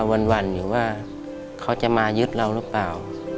กลัววันอยู่ว่าเขาจะมายึดเรารึเปล่า